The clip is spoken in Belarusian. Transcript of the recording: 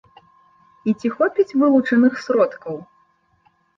І ці хопіць вылучаных сродкаў?